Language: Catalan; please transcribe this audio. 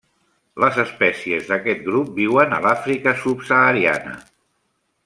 Les espècies d'aquest grup viuen a l'Àfrica subsahariana.